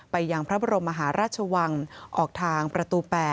ยังพระบรมมหาราชวังออกทางประตู๘